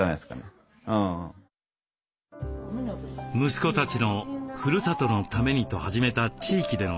息子たちのふるさとのためにと始めた地域での取り組み。